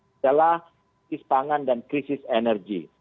adalah ispangan dan krisis energi